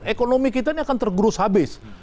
ekonomi kita ini akan tergerus habis